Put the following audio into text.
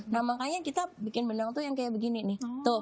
nah makanya kita bikin benang tuh yang kayak begini nih